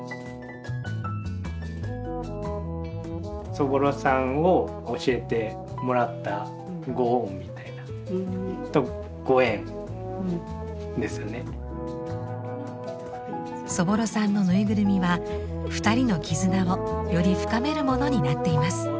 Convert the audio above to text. そぼろさんを教えてもらったそぼろさんのぬいぐるみは２人の絆をより深めるものになっています。